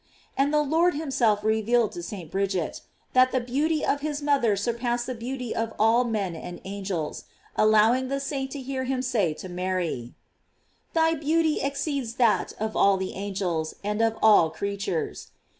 And the Lord himself revealed to St. Bridget, that the beauty of his mother surpass ed the beauty of all men and angels, allowing the saint to hear him say to Mary: "Thy beauty exceeds that of all the angels, and of all creat ures."